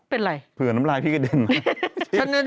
เป็นไรเผื่อน้ำลายพี่กระเด็น